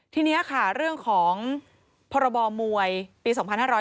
ทีนี้ค่ะเรื่องของพรบมวยปี๒๕๕๙